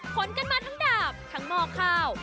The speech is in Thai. ขนกันมาทั้งดาบทั้งหม้อข้าว